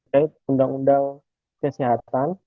terkait undang undang kesehatan